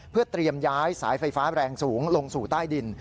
เพื่อเตรียมย้ายสายไฟฟ้าแรงสูงลงสู่ใต้ดิน